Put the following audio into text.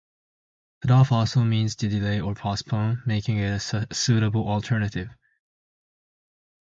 "Put off" also means to delay or postpone, making it a suitable alternative.